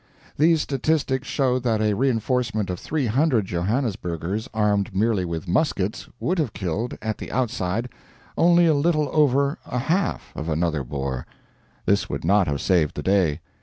These statistics show that a reinforcement of 300 Johannesburgers, armed merely with muskets, would have killed, at the outside, only a little over a half of another Boer. This would not have saved the day.